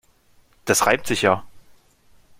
Das reimt sich ja.